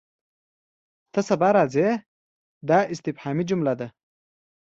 ته سبا راځې؟ دا استفهامي جمله ده.